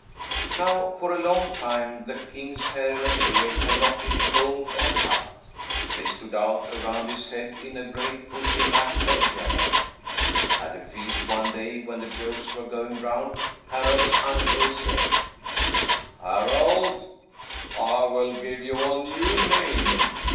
Now for a long time the king's hair and beard had not been combed or cut. They stood out around his head in a great bushy mat of yellow. At a feast one day when the jokes were going round, Harald's uncle said: "Harald, I will give you a new name.